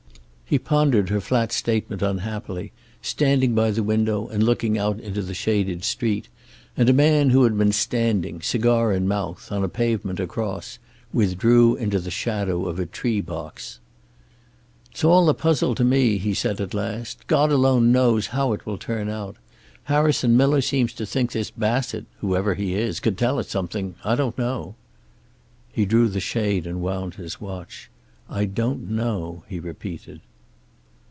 He pondered her flat statement unhappily, standing by the window and looking out into the shaded street, and a man who had been standing, cigar in mouth, on a pavement across withdrew into the shadow of a tree box. "It's all a puzzle to me," he said, at last. "God alone knows how it will turn out. Harrison Miller seems to think this Bassett, whoever he is, could tell us something. I don't know." He drew the shade and wound his watch. "I don't know," he repeated.